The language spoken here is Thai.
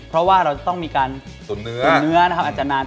เพราะว่าเราต้องมีการตุ๋นเนื้ออาจจะนาน